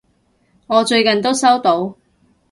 我最近都收到！